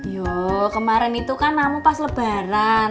yooo kemaren itu kan namu pas lebaran